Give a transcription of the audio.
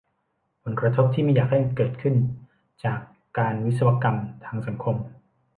ผลกระทบที่ไม่อยากให้เกิดขึ้น จากการวิศวกรรมทางสังคม